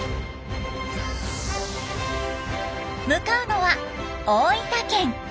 向かうのは大分県。